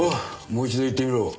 もう一度言ってみろ。